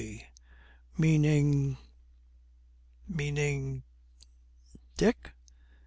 G.' 'Meaning, meaning, Dick?'